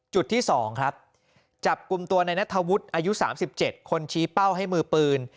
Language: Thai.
จุดที่๒จับกลุ่มตัวในนธวุธ๓๐ีกคนชี้เป้าให้มือปืน